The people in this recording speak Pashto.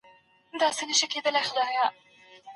زکات د ټولني د بې وزلو لپاره یو ابدي الهي حق دی.